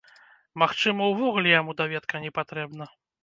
Магчыма, увогуле яму даведка не патрэбна?